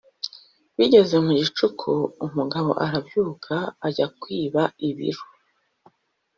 Bigeze mu gicuku umugabo arabyuka ajya kwiba ibiryo